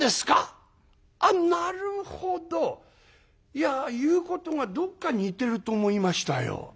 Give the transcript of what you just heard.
いや言うことがどっか似てると思いましたよ。